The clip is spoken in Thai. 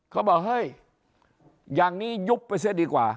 เขาบอกเฮ้ยอย่างนี้ยุบไปเสียดีกว่า